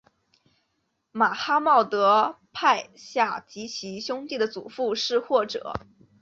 马哈茂德帕夏及其兄弟的祖父是或者。